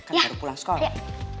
kan baru pulang sekolah